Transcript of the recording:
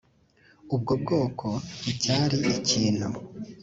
ubwo bwoko nticyari ikintu